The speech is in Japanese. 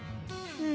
うん？